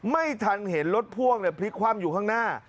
ไม่ทันเห็นรถพ่วงพลิกคว่ำอยู่ข้างหน้า